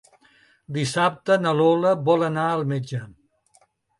Dissabte na Lola vol anar al metge.